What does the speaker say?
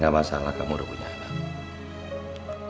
gak masalah kamu udah punya kamu